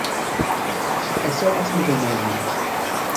Es soll ans Mittelmeer gehen.